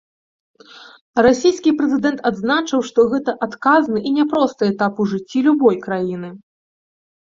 Расійскі прэзідэнт адзначыў, што гэта адказны і няпросты этап у жыцці любой краіны.